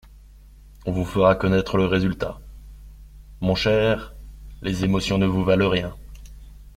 On vous fera connaître le résultat … Mon cher, les émotions ne vous valent rien.